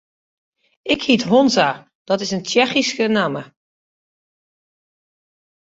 Ik hyt Honza, dat is in Tsjechyske namme.